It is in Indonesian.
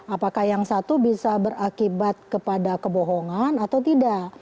apakah yang satu bisa berakibat kepada kebohongan atau tidak